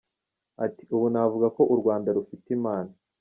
Ati “Ubu navuga ko u Rwanda rufite Imana.